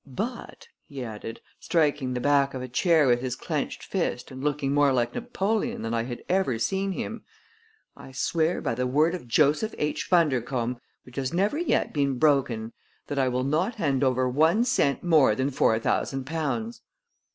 But," he added, striking the back of a chair with his clenched fist and looking more like Napoleon than I had ever seen him, "I swear, by the word of Joseph H. Bundercombe, which has never yet been broken, that I will not hand over one cent more than four thousand pounds!"